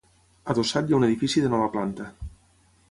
Adossat hi ha un edifici de nova planta.